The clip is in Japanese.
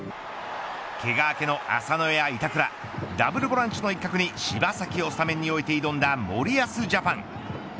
けが明けの浅野や板倉ダブルボランチの一角に柴崎をスタメンに置いて挑んだ森保ジャパン。